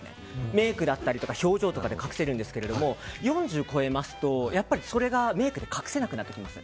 メイクだったり表情とかで隠せるんですけれども４０を超えますとそれがメイクで隠せなくなってきます。